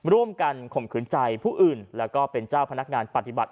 ร่วมกันข่มขืนใจผู้อื่นแล้วก็เป็นเจ้าพนักงานปฏิบัติ